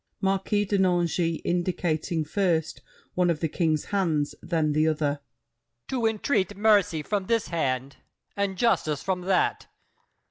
MARQUIS DE NANGIS (indicating first one of The King's hands, then the other). To entreat mercy From this hand, and justice from that!